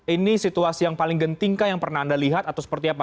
ini situasi yang paling genting kah yang pernah anda lihat atau seperti apa